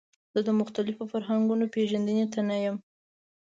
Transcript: زه د مختلفو فرهنګونو پیژندنې ته نه یم.